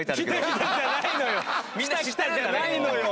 「きたきた」じゃないのよ。